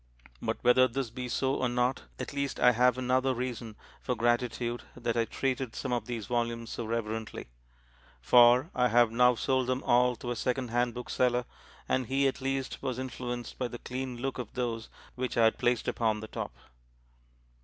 But whether this be so or not, at least I have another reason for gratitude that I treated some of these volumes so reverently. For I have now sold them all to a secondhand bookseller, and he at least was influenced by the clean look of those which I had placed upon the top.